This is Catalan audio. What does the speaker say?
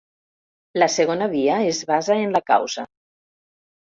La segona via es basa en la causa.